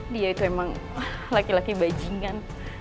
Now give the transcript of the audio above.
dia itu emang laki laki bajingan